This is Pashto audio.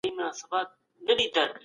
د رڼا بدلون توري رنګین ښکاره کوي.